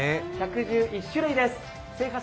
１１１種類です。